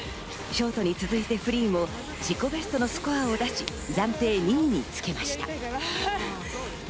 ショートに続いてフリーも自己ベストのスコアを出し、暫定２位につけました。